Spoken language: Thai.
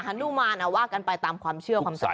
หันลุมานว่ากันไปตามความเชื่อความสัมภาษณ์